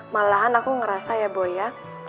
malahan aku ngerasa ya bu ya